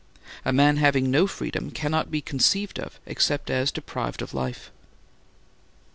A man having no freedom cannot be conceived of except as deprived of life.